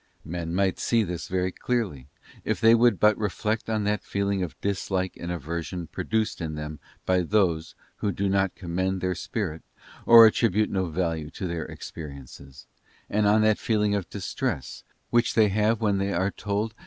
Men might see this very clearly, if they would but reflect on that feeling of dislike and aver sion produced in them by those, who do not commend their spirit, or attribute no value to their experiences, and on that feeling of distress, which they have when they are told ae A ' A te PRIDE OF SELF CONTEMPLATION.